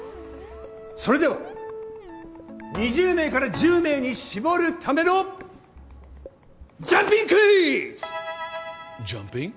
それでは２０名から１０名に絞るためのジャンピングクイズ！Ｊｕｍｐｉｎｇ？